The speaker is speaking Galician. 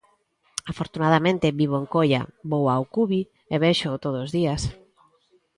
Afortunadamente, vivo en Coia, vou ao Cuvi e véxoo todos os días.